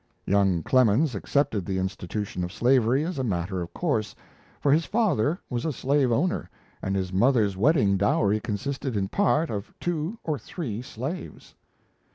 Young Clemens accepted the institution of slavery as a matter of course, for his father was a slave owner; and his mother's wedding dowry consisted in part of two or three slaves.